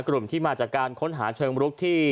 กลุ่มที่มาจากการค้นหาเชิงรุกที่